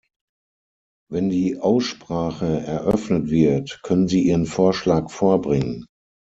Wenn die Aussprache eröffnet wird, können Sie Ihren Vorschlag vorbringen.